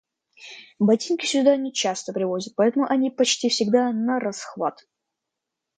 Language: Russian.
Ботинки сюда нечасто привозят, поэтому они почти всегда нарасхват.